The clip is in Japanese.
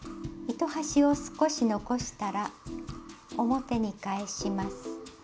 糸端を少し残したら表に返します。